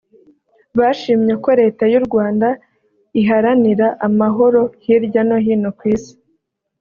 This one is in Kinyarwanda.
Bashimye ko Leta y’u Rwanda iharanira amahoro hirya no hino ku Isi